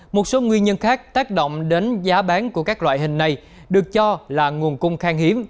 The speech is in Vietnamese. một số nguyên nhân khác tác động đến giá bán của các loại hình này được cho là nguồn cung khang hiếm